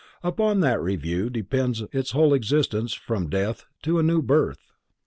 Upon that review depends its whole existence from death to a new birth.